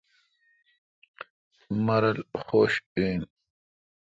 مہ رل خش این۔